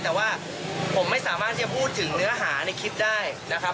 แต่ว่าผมไม่สามารถจะพูดถึงเนื้อหาในคลิปได้นะครับ